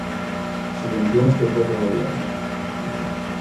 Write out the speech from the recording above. Subvenciones que ofrece el Gobierno